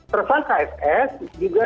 terbang kfs juga